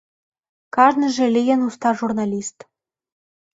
Кажныже лийын уста журналист.